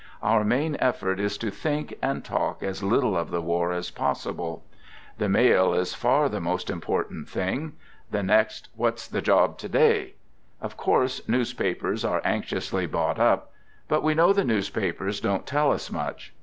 Our main effort is to think and talk as little of the war as possible. The mail is "THE GOOD SOLDIER" far the most important thing; the next, "What's the job to day?" Of course newspapers are anx iously bought up — but we know the newspapers don't tell us much.